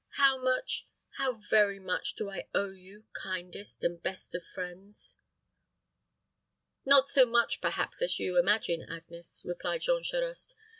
"How much how very much do I owe you, kindest and best of friends." "Not so much, perhaps, as you imagine, Agnes," replied Jean Charost.